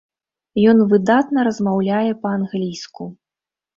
Ён выдатна размаўляе па-англійску.